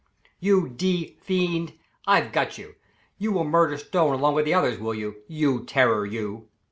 "You d fiend! I've got you. You will murder Stone along with the others, will you? You terror, you."